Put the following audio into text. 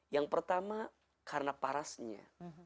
yang pertama karena parasnya